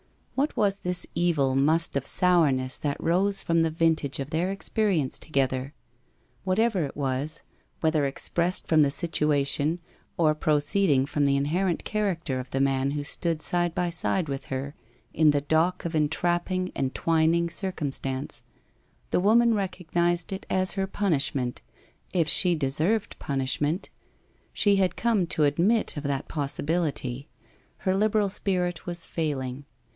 What was this evil must of sourness that rose from the vintage of their experience together ? What ever it was, whether expressed from the situation or proceeding from the inherent character of the man who stood side by side with her in the dock of entrapping, en twining, circumstance, the woman recognized it as her punishment, if she deserved punishment? She had come to admit of that possibility. Her liberal spirit was failing.